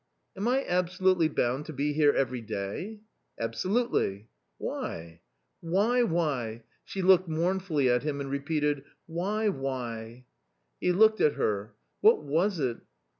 " Am I absolutely bound to be here every day ?"" Absolutely !"" Why ?"" Why, why !" She looked mournfully at him and repeated " why, why !" He looked at her. What was it?